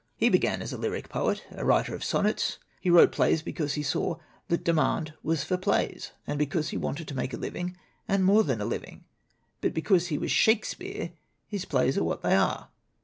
He began as a lyric poet, a writer of sonnets. He wrote plays because he saw that the demand was for plays, and because he wanted to make a living and more than a living. But because he was Shakespeare his plays are what they are.